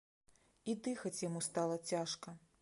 І дыхаць яму стала цяжка.